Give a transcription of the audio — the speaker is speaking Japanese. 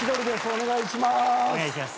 お願いします。